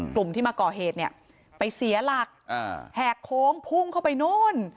กลุ่มที่มาก่อเหตุเนี่ยไปเสียหลักแหกโค้งพุ่งเข้าไปนู่น